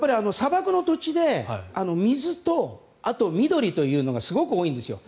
砂漠の土地で水と緑というのがすごく多いんですよ。